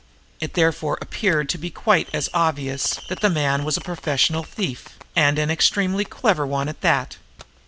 It therefore appeared to be quite as obvious that the man was a professional thief, and an extremely clever one, at that.